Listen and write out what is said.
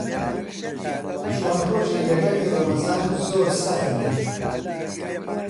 چوار ڕۆژی یەکەمی ڕەمەزان زۆر سەخت بوون.